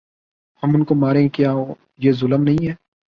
ہم ان کو ماریں کیا یہ ظلم نہیں ہے ۔